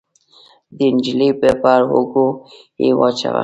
د نجلۍ پر اوږو يې واچاوه.